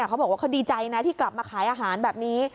เขาบอกว่าเขาดีใจนะที่กลับมาขายอาหารแบบนี้